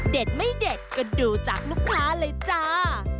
ไม่เด็ดก็ดูจากลูกค้าเลยจ้า